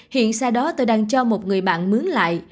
hiện sau đó tôi đang cho một người bạn mướn lại